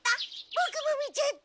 ボクも見ちゃった！